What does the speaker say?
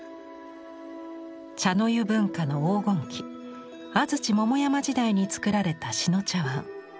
茶の湯文化の黄金期安土桃山時代に作られた志野茶碗。